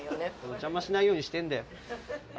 邪魔しないようにしてんだよ。